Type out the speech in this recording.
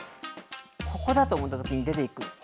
ここだと思ったときに出ていく。